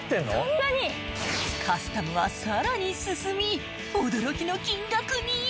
カスタムはさらに進み驚きの金額に！